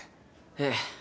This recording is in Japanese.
ええ。